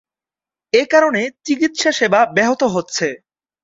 এ কারণে চিকিৎসা সেবা ব্যাহত হচ্ছে।